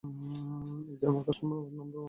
এই যে, আমার কাস্টমার নাম্বার ওয়ান।